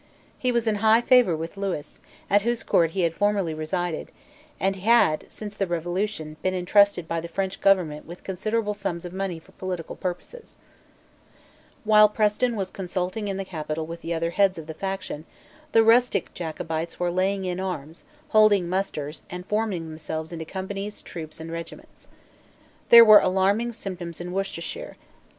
He was in high favour with Lewis, at whose court he had formerly resided, and had, since the Revolution, been intrusted by the French government with considerable sums of money for political purposes, While Preston was consulting in the capital with the other heads of the faction, the rustic Jacobites were laying in arms, holding musters, and forming themselves into companies, troops, and regiments. There were alarming symptoms in Worcestershire.